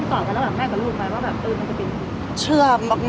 เจอแม่เราน่าจะความสุมเฉื่อเอามาแล้วแม่กับ